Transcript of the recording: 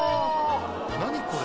何これ？